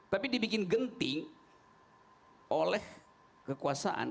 tapi dibikin genting oleh kekuasaan